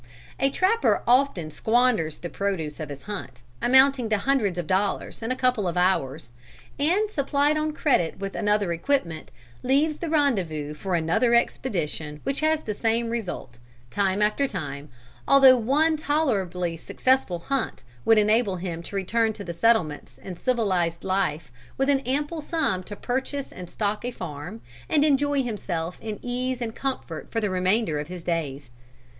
A trapper often squanders the produce of his hunt, amounting to hundreds of dollars, in a couple of hours; and supplied on credit with another equipment, leaves the rendezvous for another expedition which has the same result, time after time, although one tolerably successful hunt would enable him to return to the settlements and civilised life with an ample sum to purchase and stock a farm, and enjoy himself in ease and comfort for the remainder of his days.